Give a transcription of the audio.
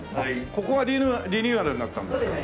ここがリニューアルになったんですか？